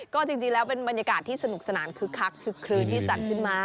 ก็จริงแล้วเป็นบรรยากาศที่สนุกสนานคึกคักคึกคลื้นที่จัดขึ้นมา